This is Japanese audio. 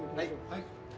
はい。